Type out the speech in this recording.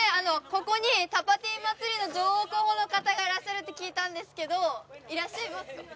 ここにタパティ祭りの女王候補の方がいらっしゃるって聞いたんですけどいらっしゃいますか？